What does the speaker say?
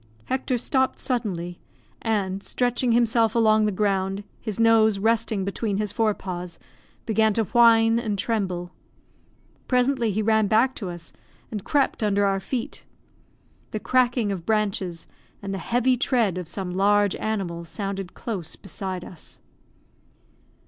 Hector stopped suddenly, and, stretching himself along the ground, his nose resting between his forepaws, began to whine and tremble. Presently he ran back to us, and crept under our feet. The cracking of branches, and the heavy tread of some large animal, sounded close beside us.